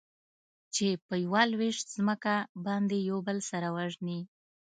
چې په يوه لوېشت ځمکه باندې يو بل سره وژني.